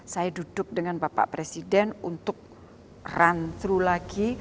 saya duduk dengan bapak presiden untuk run through lagi